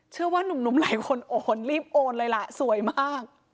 นุ่มหลายคนโอนรีบโอนเลยล่ะสวยมาก